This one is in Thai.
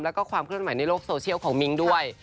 แล้วก็ความเคลื่อนไหวในโลกโซเชียลของมิ้งด้วย